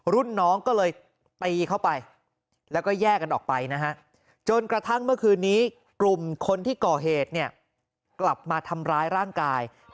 รุ่นน้องก็เลยตีเข้าไปแล้วก็แยกกันออกไปนะฮะ